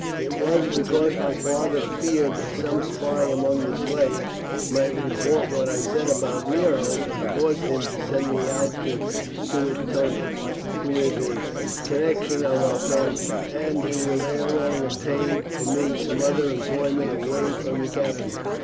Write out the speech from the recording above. It was because my father feared that some spy among the slaves might report what I said about Nero that caused him to send me out to Suetonius, who is a connection of our family, and he will ere long obtain for me some other employment away from the capital.